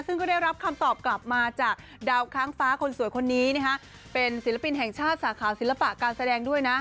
ซึ่งก็ได้รับคำตอบกลับมาจากดาวค้างฟ้าคนสวยคนนี้เป็นศิลปินแห่งชาติสาขาศิลปะการแสดงด้วยนะ